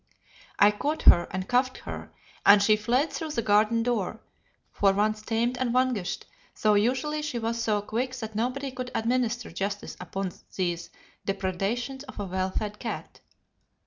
I caught her and cuffed her, and she fled through the garden door, for once tamed and vanquished, though usually she was so quick that nobody could administer justice upon these depredations of a well fed cat.